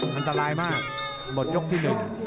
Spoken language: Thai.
มันตรายมากหมดยกที่๑